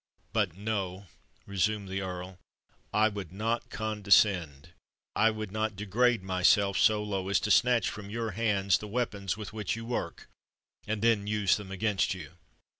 "But, no!" resumed the Earl: "I would not condescend—I would not degrade myself so low as to snatch from your hands the weapons with which you work, and then use them against you!